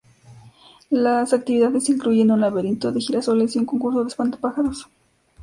Las actividades incluyen un laberinto de girasoles y un concurso de espantapájaros.